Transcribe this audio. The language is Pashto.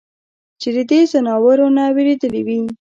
چې د دې ځناورو نه وېرېدلے وي ؟